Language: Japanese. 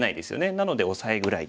なのでオサエぐらい。